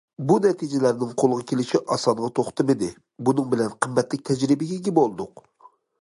بۇ نەتىجىلەرنىڭ قولغا كېلىشى ئاسانغا توختىمىدى، بۇنىڭ بىلەن قىممەتلىك تەجرىبىگە ئىگە بولدۇق.